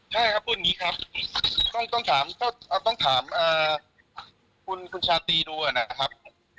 ใช่ครับพูดอย่างนี้ครับต้องถามคุณชาติดูอ่ะนะครับ